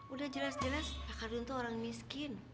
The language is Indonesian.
udah jelas jelas pak khadun tuh orang miskin